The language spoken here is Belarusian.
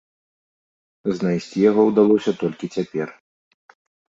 Знайсці яго ўдалося толькі цяпер.